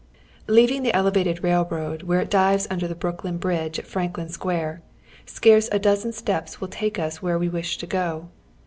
Leaving the Elevated Railroad where it dives under the Brooklyn Bridge at Franklin Sqnare, scarce a dozen steps will take ns where we wish to go.